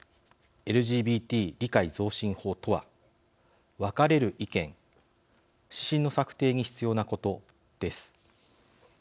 ＬＧＢＴ理解増進法とは分かれる意見指針の策定に必要なことです。